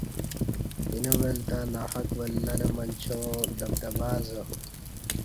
اینہ ول تہ ناحق ولہ لہ منچاں دبدبہ ازہ